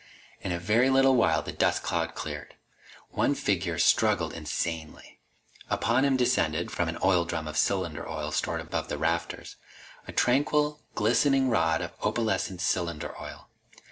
In a very little while the dust cloud cleared. One figure struggled insanely. Upon him descended from an oil drum of cylinder oil stored above the rafters a tranquil, glistening rod of opalescent cylinder oil.